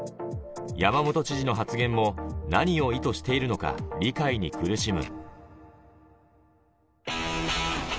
山本知事の発言も何を意図しているのか理解に苦しむ。